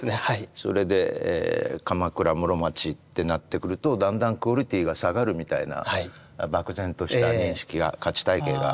それで鎌倉室町ってなってくるとだんだんクオリティーが下がるみたいな漠然とした認識や価値体系があったわけですよね。